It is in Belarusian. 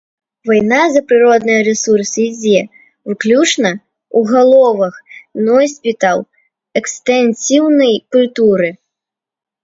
Вайна за прыродныя рэсурсы ідзе выключна ў галовах носьбітаў экстэнсіўнай культуры.